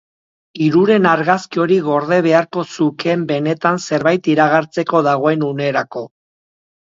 Hiruren argazki hori gorde beharko zukeen benetan zerbait iragartzeko dagoen unerako.